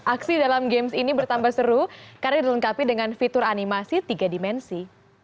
aksi dalam games ini bertambah seru karena dilengkapi dengan fitur animasi tiga dimensi